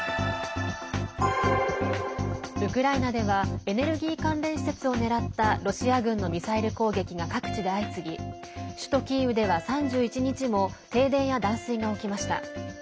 ウクライナではエネルギー関連施設を狙ったロシア軍のミサイル攻撃が各地で相次ぎ首都キーウでは３１日も停電や断水が起きました。